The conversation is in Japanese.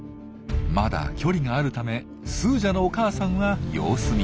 まだ距離があるためスージャのお母さんは様子見。